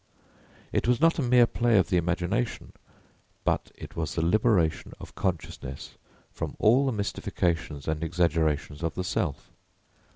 It was not a mere play of the imagination, but it was the liberation of consciousness from all the mystifications and exaggerations of the self.